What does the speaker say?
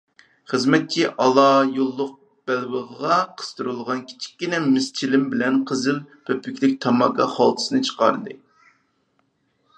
خىزمەتچى ئالا يوللۇق بەلۋېغىغا قىستۇرۇلغان كىچىككىنە مىس چىلىم بىلەن قىزىل پۆپۈكلۈك تاماكا خالتىسىنى چىقاردى.